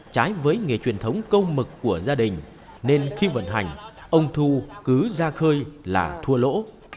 trái với nghề truyền thống câu mực của gia đình nên khi vận hành ông thu cứ ra khơi là thua lỗ